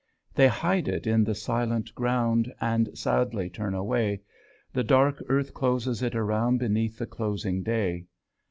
They hide it in the silent ground. And sadly turn away, The dark earth closes it around Beneath the closing day.